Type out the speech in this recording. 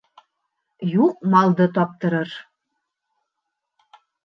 Юҡ малды таптырыр.